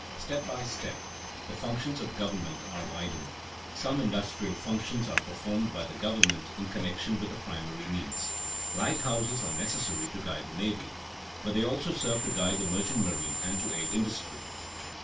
Step by step the functions of government are widened. Some industrial functions are performed by the government in connection with the primary needs. Lighthouses are necessary to guide the navy, but they also serve to guide the merchant marine and to aid industry.